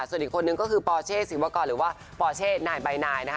ส่วนอีกคนนึงก็คือปอเช่สินวักกรหรือว่าปอเช่ไหนบายไหน